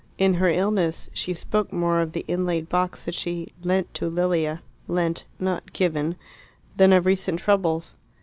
In her illness she spoke more of the inlaid box that she lent to Lilia lent, not given than of recent troubles.